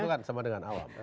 itu kan sama dengan awam